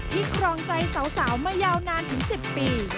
ครองใจสาวมายาวนานถึง๑๐ปี